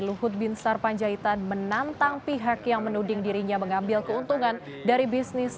luhut bin sarpanjaitan menantang pihak yang menuding dirinya mengambil keuntungan dari bisnis